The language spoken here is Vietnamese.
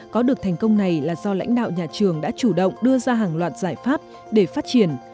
có được thành công này là do lãnh đạo nhà trường đã chủ động đưa ra hàng loạt giải pháp để phát triển